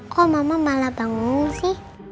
kok mama malah bangun sih